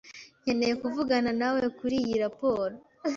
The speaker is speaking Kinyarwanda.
nkeneye kuvugana nawe kuriyi raporo.